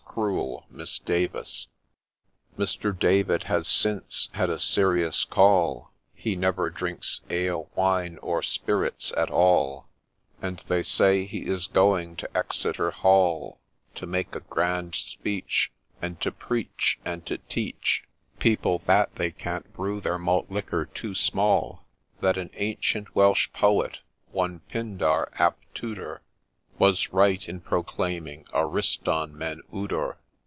cruel Miss Davis ! Mr. David has since had a ' serious call,' He never drinks ale, wine, or spirits, at all, 38 PATTY MORGAN THE MILKMAID'S STORY And they say he is going to Exeter Hall To make a grand speech, And to preach, and to teach People that ' they can't brew their malt liquor too small ;' That an ancient Welsh Poet, one PYNDAR AP TUDOR, Was right in proclaiming ' ARISTON MEN UDOE